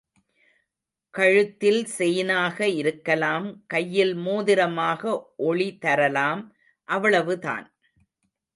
கழுத்தில் செயினாக இருக்கலாம் கையில் மோதிரமாக ஒளி தரலாம் அவ்வளவுதான்.